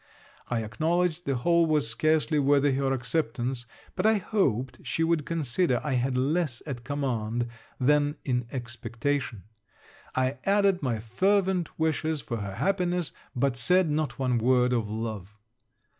I acknowledged the whole was scarcely worthy her acceptance, but I hoped she would consider I had less at command than in expectation. I added my fervent wishes for her happiness, but said not one word of love.